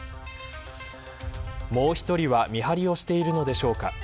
もう１人は見張りをしているのでしょうか。